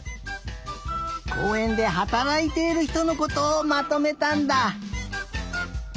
こうえんではたらいているひとのことをまとめたんだ。